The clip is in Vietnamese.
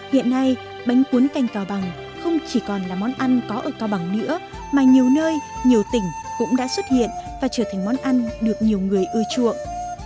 hiện nay bánh cuốn canh cao bằng không chỉ còn là món ăn có ở cao bằng nữa mà nhiều nơi nhiều tỉnh cũng đã xuất hiện và trở thành món ăn được nhiều người ưa chuộng